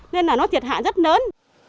nên là nó thiệt hạ rất lớn